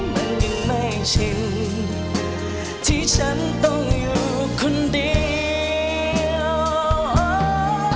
มันยังไม่ชินที่ฉันต้องอยู่คนเดียว